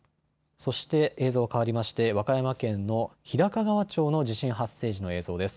そして映像、変わりまして和歌山県の日高川町の地震発生時の映像です。